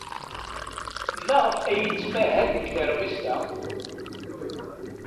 Maɣef ay tettmahal deg teṛmist-a?